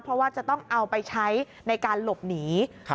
เพราะว่าจะต้องเอาไปใช้ในการหลบหนี